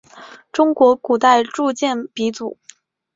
中国古代铸剑鼻祖。